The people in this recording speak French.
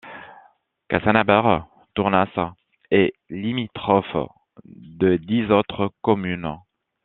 Cassagnabère-Tournas est limitrophe de dix autres communes.